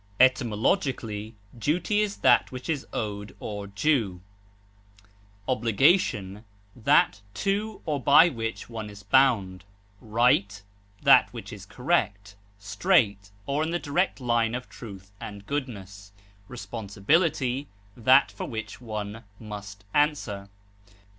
Etymologically, duty is that which is owed or due; obligation, that to or by which one is bound; right, that which is correct, straight, or in the direct line of truth and goodness; responsibility, that for which one must answer.